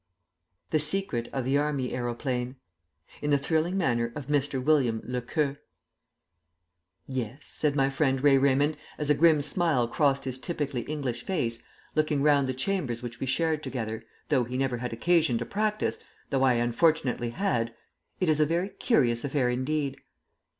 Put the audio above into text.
THE SECRET OF THE ARMY AEROPLANE [In the thrilling manner of Mr. William le Queux.] "Yes," said my friend, Ray Raymond, as a grim smile crossed his typically English face, looking round the chambers which we shared together, though he never had occasion to practise, though I unfortunately had, "it is a very curious affair indeed."